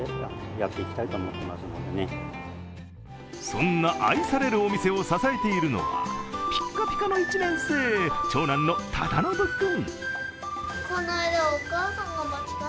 そんな愛されるお店を支えているのはピカピカの１年生、長男の忠宣君。